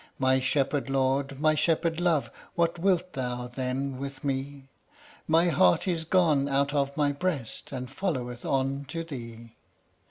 "My shepherd lord, my shepherd love, What wilt thou, then, with me? My heart is gone out of my breast, And followeth on to thee." II.